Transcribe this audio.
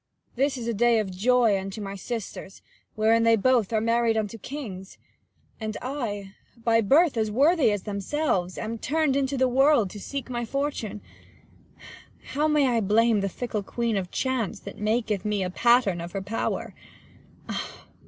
15 Cor. This is a day of joy unto my sisters, Wherein they both are married unto kings ; And I, by birth, as worthy as themselves, Am turn'd into the world, to seek my fortune. How may I blame the fickle queen of chance; 20 That maketh me a pattern of her power